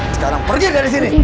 sekarang pergi dari sini